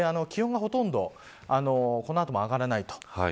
気温はほとんどこの後も上がらない。